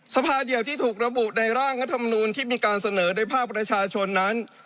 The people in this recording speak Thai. สภาเดียวที่ถูกระบุในร่างรัฐมนูลที่มีการเสนอในภาคประชาชนนั้น